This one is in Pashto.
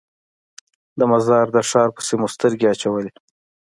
د مزار د ښار پسې مو سترګې اچولې.